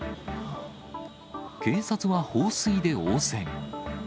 警察は放水で応戦。